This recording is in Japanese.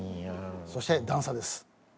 そして「段差」です。